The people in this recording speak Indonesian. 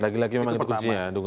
lagi lagi itu ujian